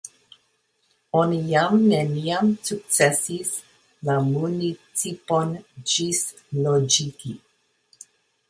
Oni jam neniam sukcesis la municipon ĝisloĝigi.